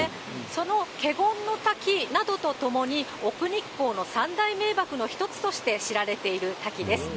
その華厳滝などとともに、奥日光の三大名瀑の１つとして知られている滝です。